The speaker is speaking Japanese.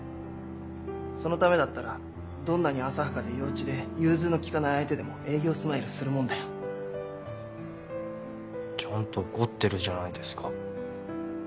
そのためだったらどんなに浅はかで幼稚で融通の利かない相手でも営業スマイルするもんだよ。ちゃんと怒ってるじゃないですか。